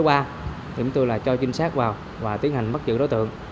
chúng tôi là cho trinh sát vào và tiến hành bắt giữ đối tượng